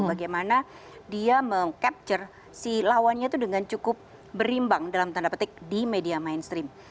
bagaimana dia meng capture si lawannya itu dengan cukup berimbang dalam tanda petik di media mainstream